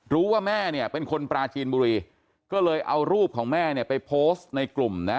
แม่เนี่ยเป็นคนปลาจีนบุรีก็เลยเอารูปของแม่เนี่ยไปโพสต์ในกลุ่มนะ